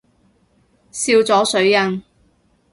笑咗水印